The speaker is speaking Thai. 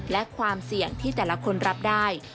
และความเสี่ยงที่แต่ละคนรับได้